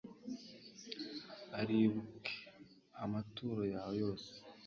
Aribuke amaturo yawe yose